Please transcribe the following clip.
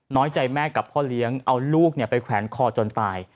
น้อยใจแม่กับพ่อเลี้ยงเอาลูกไปแขวนคอจนตาย